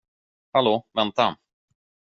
Hallå, vänta!